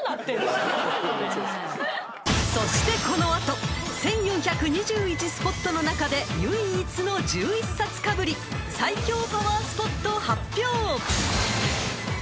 ［そしてこの後１，４２１スポットの中で唯一の１１冊かぶり］［最強パワースポットを発表！］